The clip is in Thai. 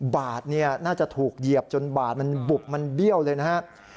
บาทน่าจะถูกเหยียบจนบาดมันบุบมันเบี้ยวเลยนะครับ